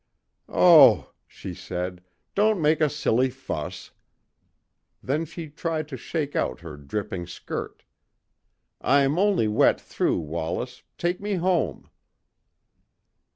"Oh!" she said, "don't make a silly fuss." Then she tried to shake out her dripping skirt. "I'm only wet through, Wallace, take me home."